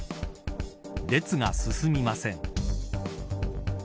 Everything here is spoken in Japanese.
列が進みません。